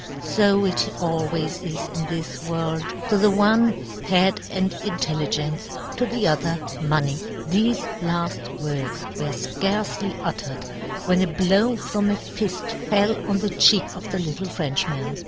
So it always is in " this world. To the one, head and " intelligence, to the other money !" Thefe laft words were fcarcely ut tered, when a blow from a fift fell on the cheek of the little Frenchman.